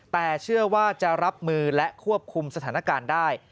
แต่เชื่อว่าจะรับมือและควบคุมสถานการณ์ได้